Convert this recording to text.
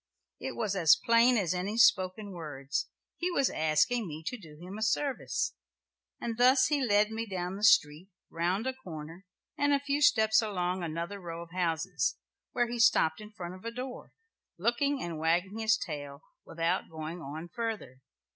It was as plain as any spoken words; he was asking me to do him a service. And thus he led me down the street, round a corner, and a few steps along another row of houses, where he stopped in front of a door, looking and wagging his tail, without going on further.